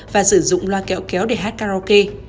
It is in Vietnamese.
và sử dụng loa kẹo kéo để hát karaoke